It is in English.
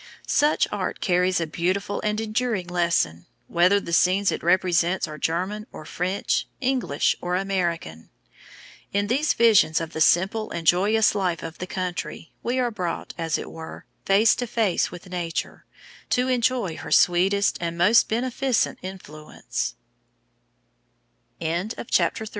Such art carries a beautiful and enduring lesson, whether the scenes it represents are German or French, English or American. In these visions of the simple and joyous life of the country, we are brought, as it were, face to face with Nature, to enjoy her sweetest a